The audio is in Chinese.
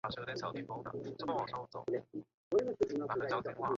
港内的被列为。